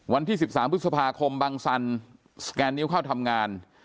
วันที่๑๓พฤษภาคมบังสันสแกนนิ้วเข้าทำงาน